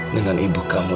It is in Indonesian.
dengan ibu kamu